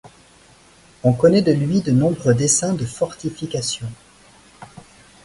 On connaît de lui de nombreux dessins de fortifications.